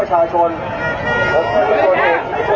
สวัสดีครับ